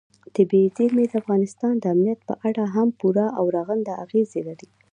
طبیعي زیرمې د افغانستان د امنیت په اړه هم پوره او رغنده اغېز لري.